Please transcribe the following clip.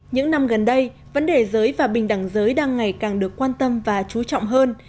những năm gần đây vấn đề giới và bình đẳng giới đang ngày càng được quan tâm và chú trọng hơn